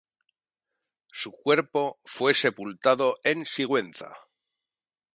Su cuerpo fue sepultado en Sigüenza.